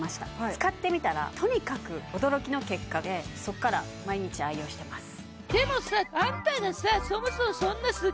使ってみたらとにかく驚きの結果でそこから毎日愛用してます